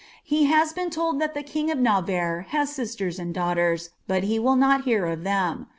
He has been told that lite ksi( of Navarre has sisters and daughtem, but he will not hear of them.